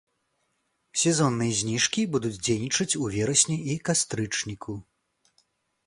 Сезонныя зніжкі будуць дзейнічаць у верасні і кастрычніку.